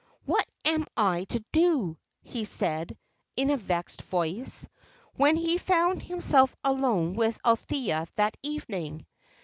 "What am I to do?" he said, in a vexed voice, when he found himself alone with Althea that evening.